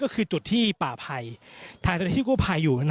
ก็คือจุดที่ป่าไผ่ทางจุดที่ป่าไผ่อยู่